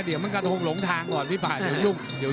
เดี๋ยวมันกระทงหลงทางก่อนพี่ป่าเดี๋ยวยุ่ง